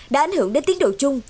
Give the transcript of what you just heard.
đã ảnh hưởng đến tiến độ chung